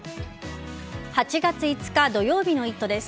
８月５日土曜日の「イット！」です。